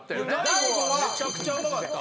大悟はめちゃくちゃうまかった。